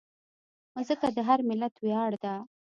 مځکه د هر ملت ویاړ ده.